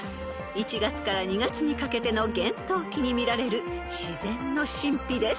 ［１月から２月にかけての厳冬期に見られる自然の神秘です］